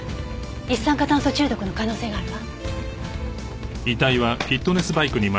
一酸化炭素中毒の可能性があるわ。